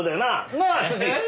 なあ辻？